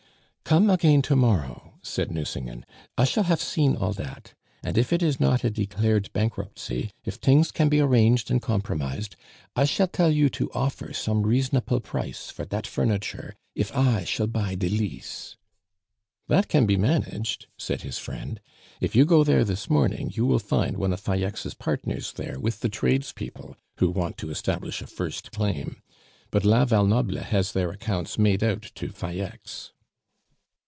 "Come again to morrow," said Nucingen. "I shall hafe seen all dat; and if it is not a declared bankruptcy, if tings can be arranged and compromised, I shall tell you to offer some reasonaple price for dat furniture, if I shall buy de lease " "That can be managed," said his friend. "If you go there this morning, you will find one of Falleix's partners there with the tradespeople, who want to establish a first claim; but la Val Noble has their accounts made out to Falleix."